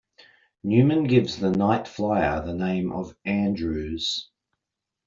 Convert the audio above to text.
Newman gives the Night Flier the name of Andrews.